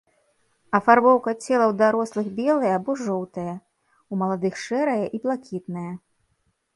Афарбоўка цела ў дарослых белая або жоўтая, у маладых шэрая і блакітная.